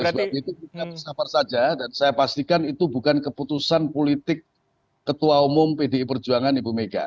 itu bisa bersabar saja dan saya pastikan itu bukan keputusan politik ketua umum pdi perjuangan ibu mika